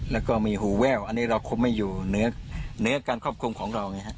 แล้วก็มีหูแววอันนี้เราควบคุมให้อยู่เหนือการควบคุมของเรา